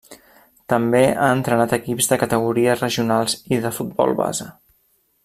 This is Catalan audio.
També ha entrenat equips de categories regionals i de futbol base.